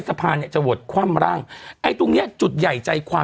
สะพานเนี้ยจะโหวตคว่ำร่างไอ้ตรงเนี้ยจุดใหญ่ใจความ